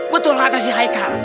betul kata si haikal